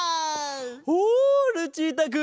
おルチータくん！